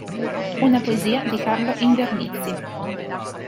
Una poesia di Carlo Invernizzi.